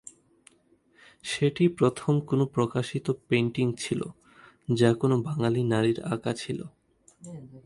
সেটিই প্রথম কোন প্রকাশিত পেইন্টিং ছিল যা কোন বাঙ্গালি নারীর আঁকা ছিল।